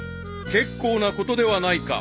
［結構なことではないか］